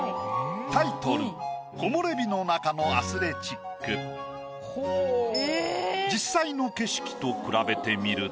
タイトル実際の景色と比べてみると。